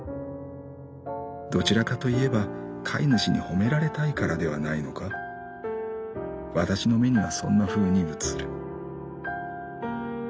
どちらかといえば飼い主に褒められたいからではないのか。わたしの目にはそんなふうに映る」。